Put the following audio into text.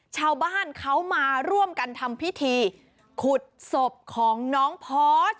ชาวบ้านเขามาร่วมกันทำพิธีขุดศพของน้องพอส